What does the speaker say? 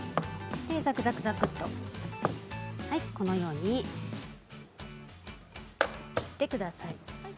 ざくざくざくと、このように切ってください。